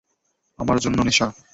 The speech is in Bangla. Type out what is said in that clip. আমার জন্য নেশা।